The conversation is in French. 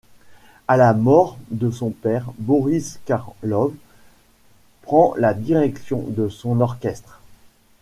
À la mort de son père, Boris Karlov prend la direction de son orchestre.